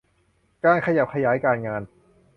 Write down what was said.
การขยับขยายการงาน